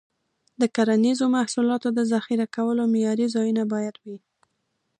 د کرنیزو محصولاتو د ذخیره کولو معیاري ځایونه باید وي.